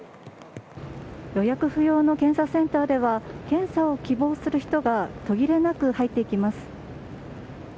予約不要の検査センターでは検査を希望する人が途切れなく入っていきます。